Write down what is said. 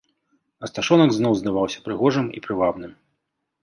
Асташонак зноў здаваўся прыгожым і прывабным.